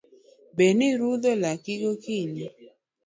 Be nirudho laki gokinyi?